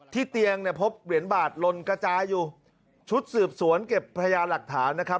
เตียงเนี่ยพบเหรียญบาทลนกระจายอยู่ชุดสืบสวนเก็บพญาหลักฐานนะครับ